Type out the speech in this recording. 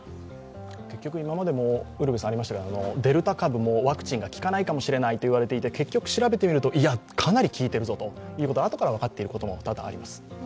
今までもデルタ株もワクチンが効かないかもといわれていて結局、調べてみると、かなり効いているということがあとから分かっていることも多々あります。